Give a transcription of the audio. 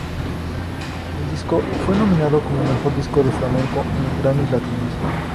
El disco fue nominado como "Mejor Disco de Flamenco" en los Grammy Latinos.